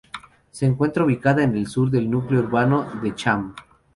Se encuentra ubicada en el sur del núcleo urbano de Cham.